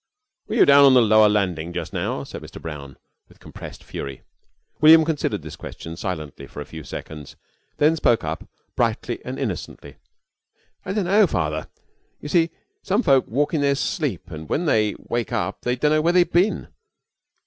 "Were you down on the lower landing just now?" said Mr. Brown, with compressed fury. William considered this question silently for a few seconds, then spoke up brightly and innocently. "I dunno, Father. You see, some folks walk in their sleep and when they wake up they dunno where they've bin.